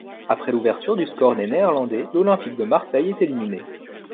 Après l'ouverture du score des Néerlandais, l'Olympique de Marseille est éliminée.